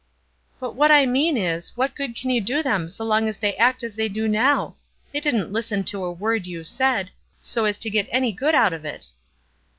"But what I mean is, what good can you do them so long as they act as they do now? They didn't listen to a word you said, so as to get any good out of it."